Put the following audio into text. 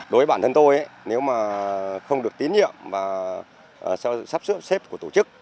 đối với bản thân tôi nếu mà không được tín nhiệm và sự sắp xếp của tổ chức